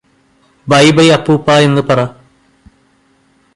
bye-bye അപ്പൂപ്പാ എന്ന് പറ